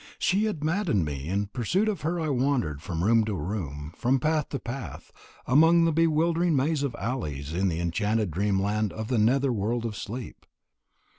She had maddened me. In pursuit of her I wandered from room to room, from path to path among the bewildering maze of alleys in the enchanted dreamland of the nether world of sleep.